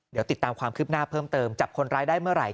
เดี๋ยวติดตามความคืบหน้าเพิ่มเติมจับคนร้ายได้เมื่อไหร่